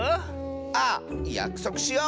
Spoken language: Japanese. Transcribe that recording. ああやくそくしよう！